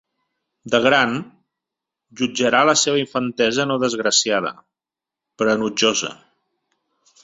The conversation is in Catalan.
De gran, jutjarà la seva infantesa no desgraciada, però enutjosa.